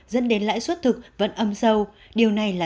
dẫn đến lãi suất thực vẫn ở mức cao